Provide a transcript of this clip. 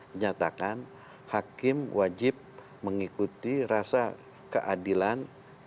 menyatakan hakim wajib mengikuti rasa keadilan